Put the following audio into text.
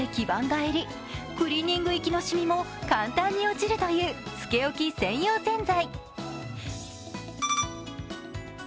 襟、クリーニング息のしみも簡単に落ちるというつけおき専用洗剤。